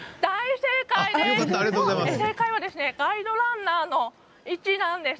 正解は、ガイドランナーの位置なんです。